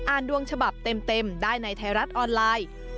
อ่านดวงฉบับเต็มเต็มได้ในไทยรัฐออนไลน์